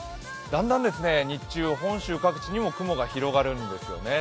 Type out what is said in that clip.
だんだん日中本州各地にも雲が広がるんですよね。